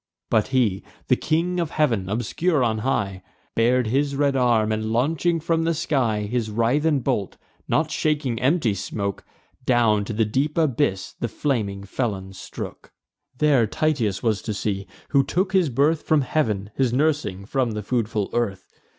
But he, the King of Heav'n, obscure on high, Bar'd his red arm, and, launching from the sky His writhen bolt, not shaking empty smoke, Down to the deep abyss the flaming felon strook. There Tityus was to see, who took his birth From heav'n, his nursing from the foodful earth.